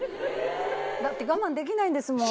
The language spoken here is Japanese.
だって我慢できないんですもん。